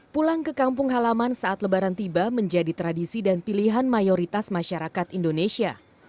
pulang ke kampung halaman saat lebaran tiba menjadi tradisi dan pilihan mayoritas masyarakat indonesia